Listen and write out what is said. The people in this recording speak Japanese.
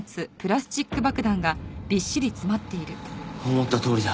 思ったとおりだ。